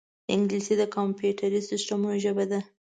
انګلیسي د کمپیوټري سیستمونو ژبه ده